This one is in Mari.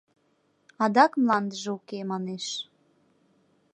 Адак мландыже уке, манеш.